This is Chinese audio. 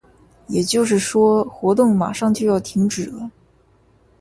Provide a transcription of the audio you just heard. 也就是说，活动马上就要停止了。